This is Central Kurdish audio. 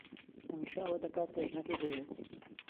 هەمیشە ئەوە دەکات کە ژنەکەی دەیەوێت.